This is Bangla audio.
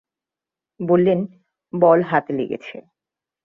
বললেন, বল হাতে লেগেছে।